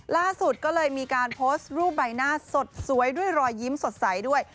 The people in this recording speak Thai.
ล่าสุดก็เลยมีการโพสต์รูปใบหน้าสดสวยด้วยรอยยิ้มสดใสด้วย